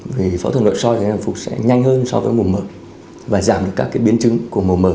vì phẫu thuật nội soi thì hồi phục sẽ nhanh hơn so với mổ mở và giảm được các cái biến chứng của mổ mở